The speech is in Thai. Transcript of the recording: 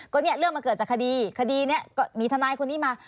ก็เนี่ยเรื่องมันเกิดจากคดีคดีนี้ก็มีทนายคนนี้มา